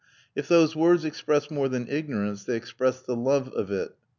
_ If those words express more than ignorance, they express the love of it.